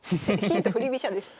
ヒント振り飛車です。